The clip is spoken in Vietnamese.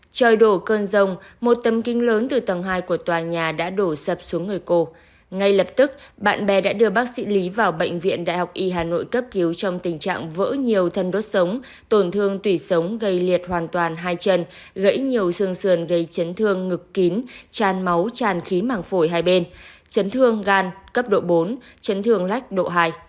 trời đổ cơn rông một tấm kính lớn từ tầng hai của tòa nhà đã đổ sập xuống người cô ngay lập tức bạn bè đã đưa bác sĩ lý vào bệnh viện đại học y hà nội cấp cứu trong tình trạng vỡ nhiều thân đốt sống tổn thương tủy sống gây liệt hoàn toàn hai chân gãy nhiều xương xườn gây chấn thương ngực kín tràn máu tràn khí mảng phổi hai bên chấn thương gan cấp độ bốn chấn thương lách độ hai